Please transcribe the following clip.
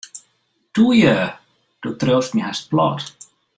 Toe ju, do triuwst my hast plat.